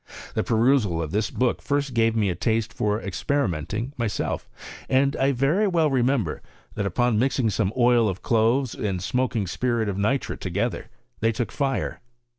The perusal of this book first gave me a taste for experimenting, myself; and I very well remember, that upon mixing some oil of cloves and smoking' spirit of nitre together, they took fire.